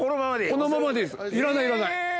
このままでいいっすいらない。